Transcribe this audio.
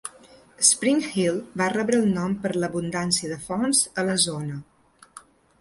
Spring Hill va rebre el nom per l'abundància de fonts a la zona.